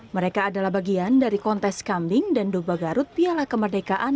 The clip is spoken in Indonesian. mereka adalah bagian dari kontes kambing dan doba garut piala kemerdekaan